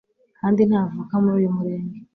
kand ntavuka muri uyu murenge